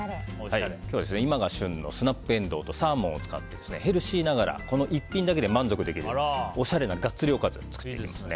今日は今が旬のスナップエンドウとサーモンを使ってヘルシーながらこの一品だけで満足できるおしゃれなガッツリおかずを作っていきます。